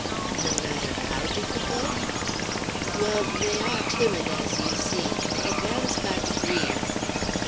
"No matter how difficult?" "Well, they are timid, as you see; advance by degrees."